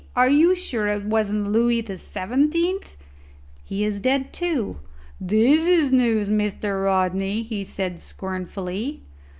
Are you sure it wasn't Louis the Seventeenth?" "He is dead too." "This is news, Mr. Rodney," said he scornfully.